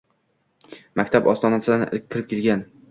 Maktab ostonasidan ilk kirib kelgan.